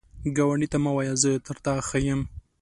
ګاونډي ته مه وایه “زه تر تا ښه یم”